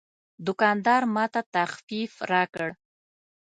دوکاندار ماته تخفیف راکړ.